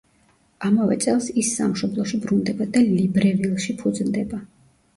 ამავე წელს ის სამშობლოში ბრუნდება და ლიბრევილში ფუძნდება.